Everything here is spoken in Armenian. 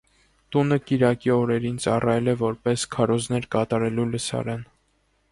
Տունը կիրակի օրերին ծառայել է որպես քարոզներ կատարելու լսարան։